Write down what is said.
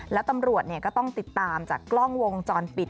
แล้วตำรวจก็ต้องติดตามจากกล้องวงจรปิด